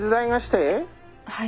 はい。